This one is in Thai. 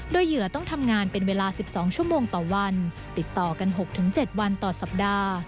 โดยเหยื่อต้องทำงานเป็นเวลา๑๒ชั่วโมงต่อวันติดต่อกัน๖๗วันต่อสัปดาห์